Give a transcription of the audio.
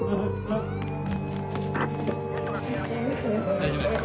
大丈夫ですか？